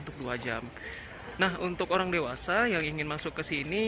nah untuk orang dewasa yang ingin masuk ke sini